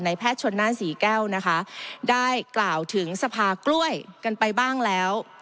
แพทย์ชนหน้าศรีแก้วนะคะได้กล่าวถึงสภากล้วยกันไปบ้างแล้ว